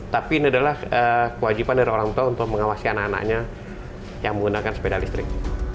tapi ini adalah kewajiban dari orang tua untuk mengawasi anak anaknya yang menggunakan sepeda listrik